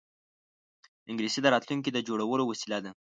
انګلیسي د راتلونکې د جوړولو وسیله ده